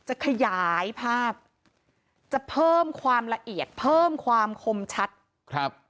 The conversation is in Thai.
จะขยายภาพจะเพิ่มความละเอียดเพิ่มความคมชัดครับ